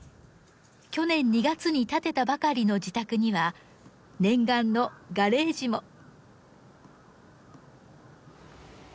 去年２月に建てたばかりの自宅には念願のガレージも。